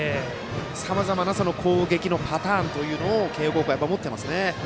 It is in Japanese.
さまざまな攻撃のパターンというのを慶応高校は持っていますね。